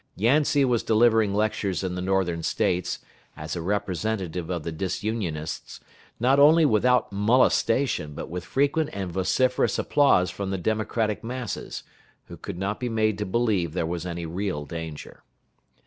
Yancey was delivering lectures in the Northern States, as a representative of the Disunionists, not only without molestation, but with frequent and vociferous applause from the Democratic masses, who could not be made to believe there was any real danger.